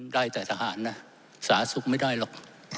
ได้แต่ทหารนะสาศุกร์ไม่ได้หรอก